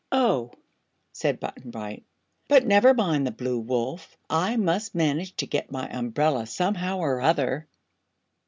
"Oh," said Button Bright. "But never mind the Blue Wolf; I must manage to get my umbrella, somehow or other."